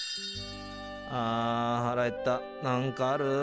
あ腹減ったなんかある？